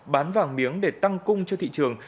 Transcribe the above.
bán vàng miếng để tăng cung cho thị trường